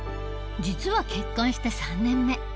実は結婚して３年目。